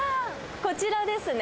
こちらですね。